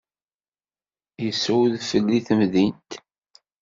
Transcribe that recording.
Yessa udfel di temdint.